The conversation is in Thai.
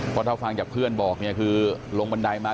เพราะเผื่อเพื่อนบอกนี่คือลงบันไดมา